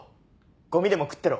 ゴミでも食ってろ。